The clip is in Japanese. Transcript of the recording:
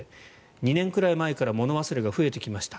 ２年くらい前から物忘れが増えてきました。